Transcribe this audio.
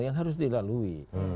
yang harus dilalui